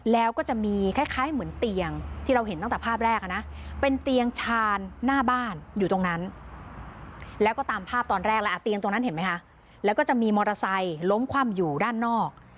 แล้วก็ตามภาพตอนแรกแล้วเตียงตรงนั้นเห็นไหมคะแล้วก็จะมีมอเตอร์ไซค์ล้มคว่ำอยู่ด้านนอก